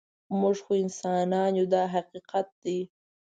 موږ خو انسانان یو دا حقیقت دی.